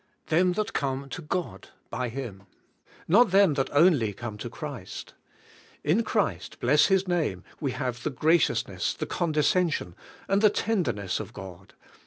"Them that come to God by Him;" not them that only come to Christ. In Christ — bless His name — we have the graciousness, the condescension, and the tenderness of God.